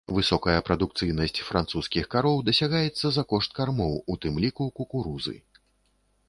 Высокая прадукцыйнасць французскіх кароў дасягаецца за кошт кармоў, у тым ліку кукурузы.